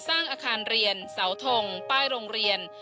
สร้างอาคารเรียนเสาทงป้ายโรงเรียน